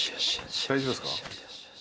大丈夫ですか？